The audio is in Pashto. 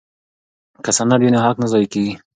که سند وي نو حق نه ضایع کیږي.